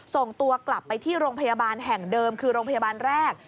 ส่งตัวกลับไปที่โรงพยาบาลแห่งเดิมคือโรงพยาบาลแรก